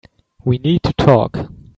We need to talk.